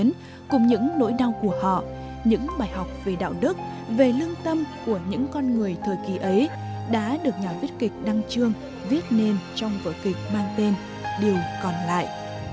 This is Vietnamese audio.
những bài học về đạo đức về lương tâm của những con người thời kỳ ấy đã được nhà viết kịch đăng trương viết nên trong vợi kịch mang tên điều còn lại